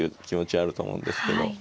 気持ちあると思うんですけど。